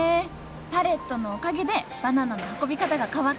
パレットのおかげでバナナの運び方が変わったのか。